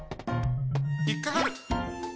ひっかかる！